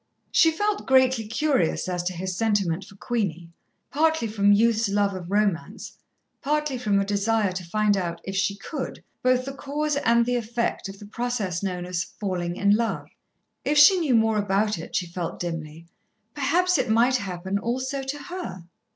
She felt greatly curious as to his sentiment for Queenie, partly from youth's love of romance, partly from a desire to find out, if she could, both the cause and the effect of the process known as "falling in love." If she knew more about it, she felt dimly, perhaps it might happen also to her.